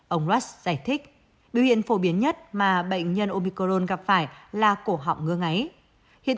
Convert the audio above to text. ông watts giải thích